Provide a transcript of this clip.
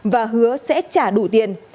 và hứa sẽ trả đủ tiền